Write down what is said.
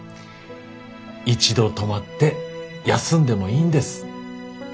一度止まって休んでもいいんです。